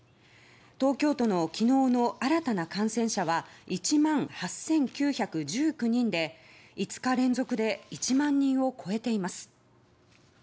東京都の昨日の新たな感染者は１万８９１９人で５日連続で１万人を超えています。